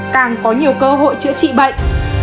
càng có nhiều cơ hội chữa trị bệnh